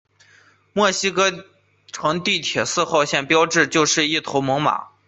墨西哥城地铁四号线的标志就是一头猛犸。